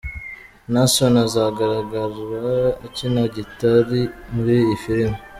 Naasson azagaragra akina gitari muri iyi filimi.